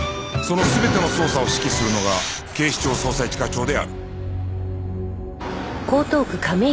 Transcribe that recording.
その全ての捜査を指揮するのが警視庁捜査一課長である